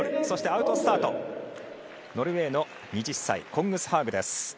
そしてアウトスタートはノルウェーの２０歳コングスハーグ。